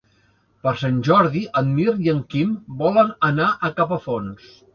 Per Sant Jordi en Mirt i en Quim volen anar a Capafonts.